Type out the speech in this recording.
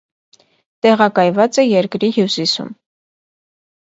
Տեղակայված է երկրի հյուսիսում։